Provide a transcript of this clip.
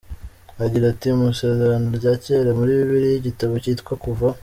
Agira ati “ Mu isezerano rya cyera muri Bibiliya, igitabo cyitwa Kuva.